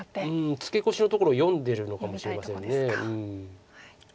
ツケコシのところを読んでるのかもしれません。